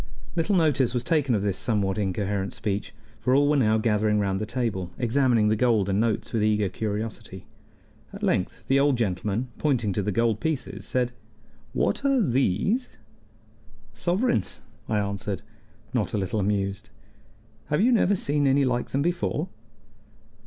Little notice was taken of this somewhat incoherent speech, for all were now gathering round the table, examining the gold and notes with eager curiosity. At length the old gentleman, pointing to the gold pieces, said: "What are these?" "Sovereigns," I answered, not a little amused. "Have you never seen any like them before?"